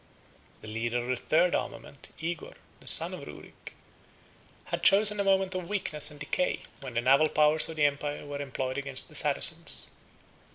The leader of the third armament, Igor, the son of Ruric, had chosen a moment of weakness and decay, when the naval powers of the empire were employed against the Saracens.